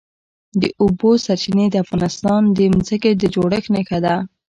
د اوبو سرچینې د افغانستان د ځمکې د جوړښت نښه ده.